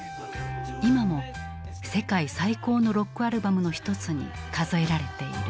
今も世界最高のロックアルバムの一つに数えられている。